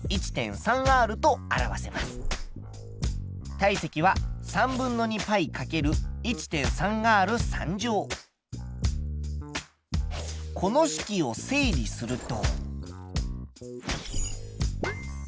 体積はこの式を整理すると。